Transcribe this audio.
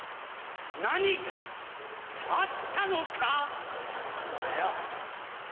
何かあったのか⁉何だよ。